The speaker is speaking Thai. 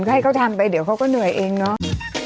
ให้เขาทำไปเดี๋ยวเขาก็เหนื่อยเองเนาะ